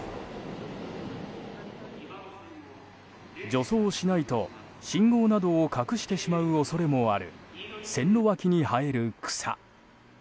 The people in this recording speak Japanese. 除草しないと、信号などを隠してしまう恐れもある線路脇に生える草。